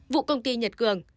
vụ công ty nhật cường